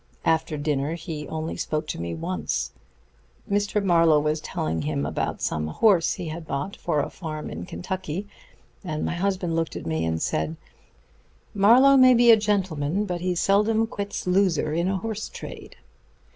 After dinner he only spoke to me once. Mr. Marlowe was telling him about some horse he had bought for the farm in Kentucky, and my husband looked at me and said, 'Marlowe may be a gentleman, but he seldom quits loser in a horse trade.'